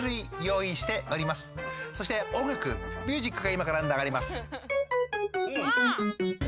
そしておんがくミュージックがいまからながれます。